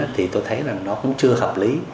thì tôi thấy nó cũng chưa hợp lý